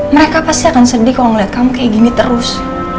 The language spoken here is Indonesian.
mereka pasti akan sedih kalau melihat kamu kayak gini terus